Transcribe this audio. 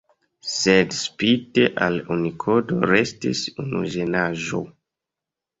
Sed spite al Unikodo restis unu ĝenaĵo.